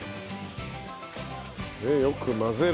よく混ぜる。